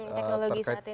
teknologi saat ini ya